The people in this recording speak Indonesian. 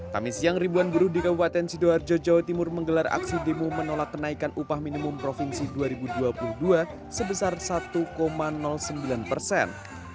kami siang ribuan buruh di kabupaten sidoarjo jawa timur menggelar aksi demo menolak kenaikan upah minimum provinsi dua ribu dua puluh dua sebesar satu sembilan persen